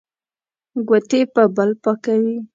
ګوتې په بل پاکوي.